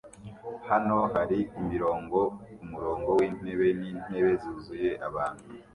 Hano hari imirongo kumurongo wintebe n'intebe zuzuye abantu